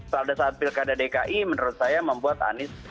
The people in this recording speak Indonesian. pada saat pilkada dki menurut saya membuat anies